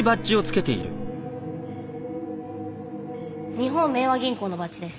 日本明和銀行のバッジです。